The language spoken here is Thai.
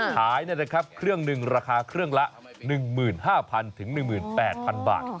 ขายนะครับเครื่องนึงราคาเครื่องละ๑๕๐๐๐ถึง๑๘๐๐๐บาท